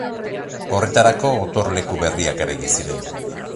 Horretarako gotorleku berriak eraiki ziren.